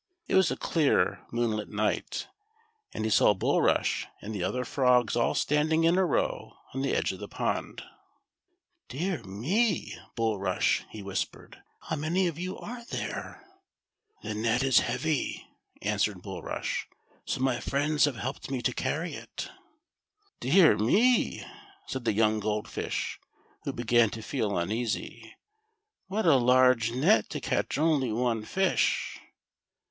It was a clear moonlight night, and he saw Bulrush and the other frogs all standing in a row on the o.'X'gQ. of the pond. "Dear me, Bulrush," he whispered, "how many of you there are." 40 THE SILVER FISH. "The net is heavy," answered Bulrush; "so my friends have helped me to carry it." " Dear me !" said the young Gold Fish, who began to feel uneasy ;" what a large net to catch only one fish